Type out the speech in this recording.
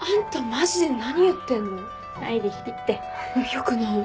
よくない。